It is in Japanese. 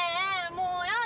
もうやだ。